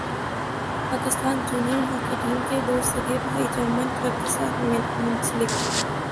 Pakistan junior hockey team کے دو سگے بھائی جرمن کلب کے ساتھ منسلک